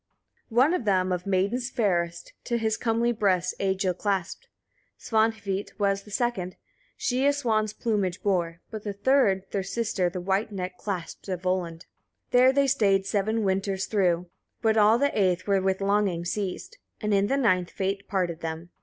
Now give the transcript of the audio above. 2. One of them, of maidens fairest, to his comely breast Egil clasped. Svanhvit was the second, she a swan's plumage bore; but the third, their sister, the white neck clasped of Volund. 3. There they stayed seven winters through; but all the eighth were with longing seized; and in the ninth fate parted them.